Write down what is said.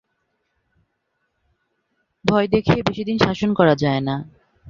ভয় দেখিয়ে বেশিদিন শাসন করা যায় না।